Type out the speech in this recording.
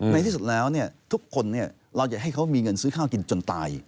ในที่สุดแล้วทุกคนเราจะให้เขามีเงินซื้อข้าวกินจนตาย